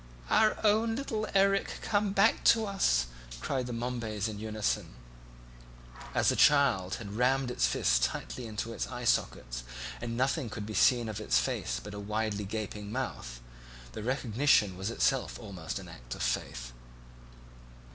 "Our own little Erik come back to us," cried the Momebys in unison; as the child had rammed its fists tightly into its eye sockets and nothing could be seen of its face but a widely gaping mouth, the recognition was in itself almost an act of faith.